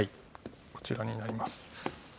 こちらになります。